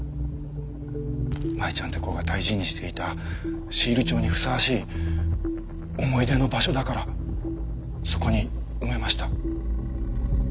舞ちゃんって子が大事にしていたシール帳にふさわしい思い出の場所だからそこに埋めました。